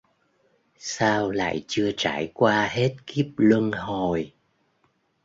Sao lại chưa trải qua hết kiếp luân hồi